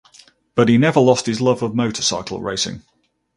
But he never lost his love of motorcycle racing.